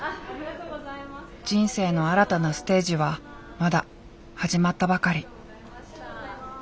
人生の新たなステージはまだ始まったばかり。